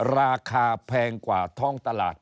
ราคาแพงกว่าท้องตลาด